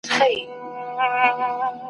د خپل بېچاره قام !.